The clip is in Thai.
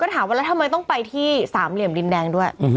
ถามว่าแล้วทำไมต้องไปที่สามเหลี่ยมดินแดงด้วย